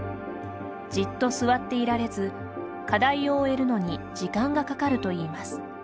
じっと座っていられず課題を終えるのに時間がかかるといいます。